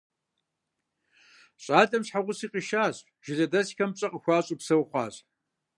ЩӀалэм щхьэгъуси къишащ, жылэдэсхэми пщӀэ къыхуащӀу псэу хъуащ.